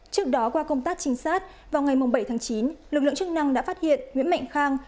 trước đó qua công tác trinh sát vào ngày bảy tháng chín lực lượng chức năng đã phát hiện nguyễn mạnh khang